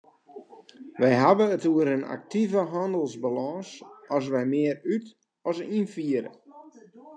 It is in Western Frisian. Wy hawwe it oer in aktive hannelsbalâns as wy mear út- as ynfiere.